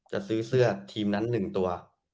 จะซื้อเสื้อทีมนั้น๑ตัว